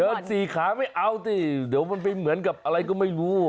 สี่ขาไม่เอาสิเดี๋ยวมันไปเหมือนกับอะไรก็ไม่รู้